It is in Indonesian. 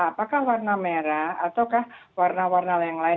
apakah warna merah ataukah warna warna yang lain